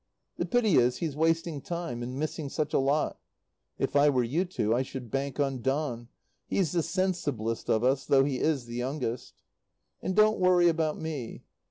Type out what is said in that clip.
The pity is he's wasting time and missing such a lot. If I were you two, I should bank on Don. He's the sensiblest of us, though he is the youngest. And don't worry about me.